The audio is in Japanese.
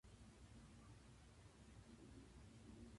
株式や債券などの赤字主体が発行する証券のことを本源的証券という。